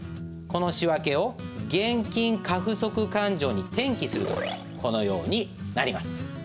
この仕訳を現金過不足勘定に転記するとこのようになります。